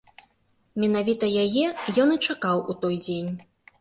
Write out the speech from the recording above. Менавіта яе ён і чакаў у той дзень.